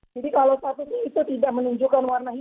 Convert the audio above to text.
jadi kalau statusnya itu tidak menunjukkan warna hijau